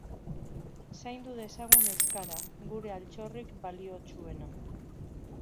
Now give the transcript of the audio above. Zaindu dezagun euskara, gure altxorrik baliotsuena